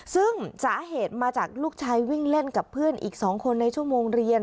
ซึ่งสาเหตุมาจากลูกชายวิ่งเล่นกับเพื่อนอีก๒คนในชั่วโมงเรียน